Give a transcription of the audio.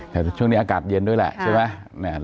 แต่ช่วงนี้อากาศเย็นด้วยแหละใช่ไหม